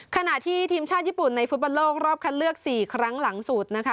ขณะที่ทีมชาติญี่ปุ่นในฟุตบอลโลกรอบคัดเลือก๔ครั้งหลังสุดนะคะ